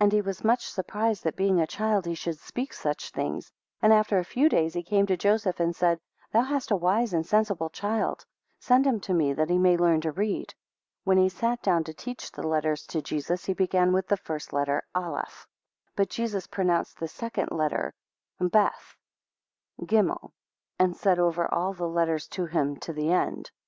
2 And he was much surprised, that being a child he should speak such things; and after a few days he came to Joseph, and said, 3 Thou hast a wise and sensible child, send him to me, that he may learn to read. 4 When he sat down to teach the letters to Jesus, he began with the first letter Aleph; 5 But Jesus pronounced the second letter Mpeth (Beth) Cghimel (Gimel), and said over all the letters to him to the end.